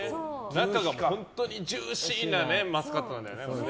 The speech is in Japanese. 中が本当にジューシーなマスカットなんだよね。